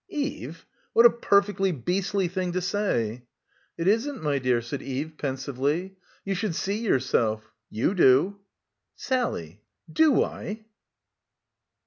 "Eve ! What a perfectly beastly thing to say." "It isn't, my dear," said Eve pensively. "You should see yourself; you do." "Sally, do I?"